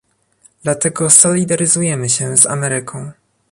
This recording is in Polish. Dlatego solidaryzujemy się z Ameryką